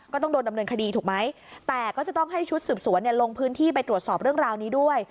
ก็ต้องโดนดำเนินคดีถูกไหมแต่ก็จะต้องให้ชุดสืบสวนลงพื้นที่ไปตรวจสอบเรื่องราวนี้ด้วย